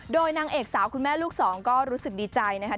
โดยนางเอกสาวคุณแม่ลูกสองก็รู้สึกดีใจนะคะ